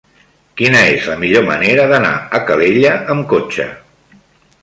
Quina és la millor manera d'anar a Calella amb cotxe?